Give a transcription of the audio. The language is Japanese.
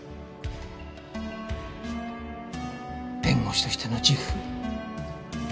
弁護士としての自負。